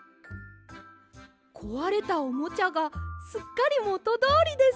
こわれたおもちゃがすっかりもとどおりです！